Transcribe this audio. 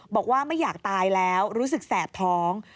บอกว่าไม่อยากตายแล้วรู้สึกแสบท้อง